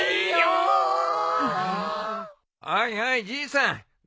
おいおいじいさん。